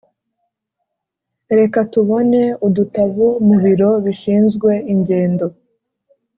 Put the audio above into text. reka tubone udutabo mubiro bishinzwe ingendo.